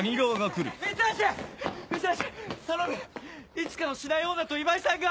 いつかの竹刀女と今井さんが。